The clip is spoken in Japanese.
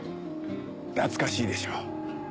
懐かしいでしょう？